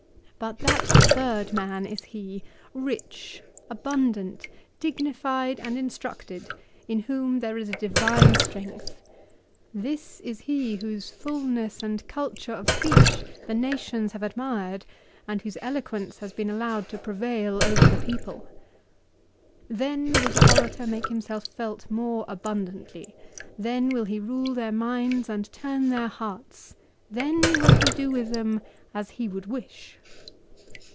" But that third man is he, rich abundant, dignified and instructed, in whom there is a divine strength. This is he whose fulness and culture 1 Orator, ca. ii. * Ibid. ca. xxvi. 330 LIFE OF CICERO. of speech the nations have admired, and Whose eloquence has been allowed to prevail over the people." l " Then will the orator make himself felt more abundantly. Then will he rule their minds and turn their hearts. Then will he do with them as he would wish."